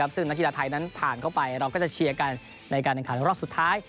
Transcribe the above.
ซึ่งนักกีฬาไทยนั้นผ่านเข้าไปเราก็จะเชียร์กันในการแข่งขันรอบสุดท้าย